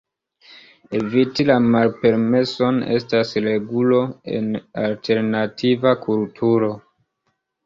Eviti la malpermeson estas regulo en alternativa kulturo.